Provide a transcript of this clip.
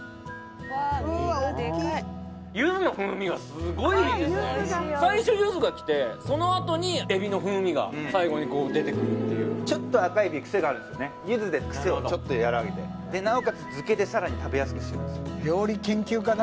そうですね最初ゆずがきてそのあとにエビの風味が最後にこう出てくるっていうちょっと赤エビクセがあるんですよねゆずでクセをちょっとやわらげてでなおかつ漬けでさらに食べやすくしてます